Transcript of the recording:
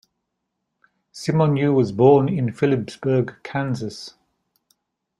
Simoneau was born in Phillipsburg, Kansas.